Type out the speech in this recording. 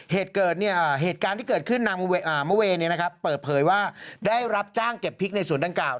เหตุการณ์ที่เกิดขึ้นนางเมย์เปิดเผยว่าได้รับจ้างเก็บพริกในสวนดังกล่า